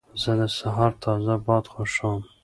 زه د سهار تازه باد خوښوم.